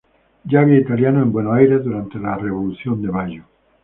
Ya había italianos en Buenos Aires durante la Revolución de Mayo.